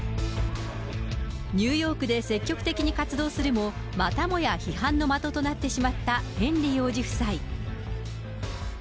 ニューヨークで積極的に活動するも、またもや批判の的となってしまったヘンリー王子夫妻。